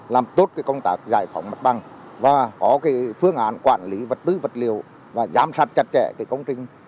làm tốt công tác giải phóng mặt bằng và có phương án quản lý vật tư vật liều và giám sát chặt chẽ công trình